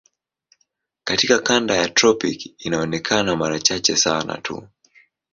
Katika kanda ya tropiki inaonekana mara chache sana tu.